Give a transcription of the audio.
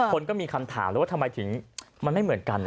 คนก็มีคำถามแล้วว่าทำไมถึงมันไม่เหมือนกัน